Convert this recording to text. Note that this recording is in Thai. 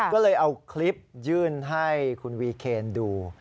ก็เลยเอาคลิปยื่นให้คุณวีเคนดู